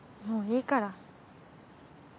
もういいから。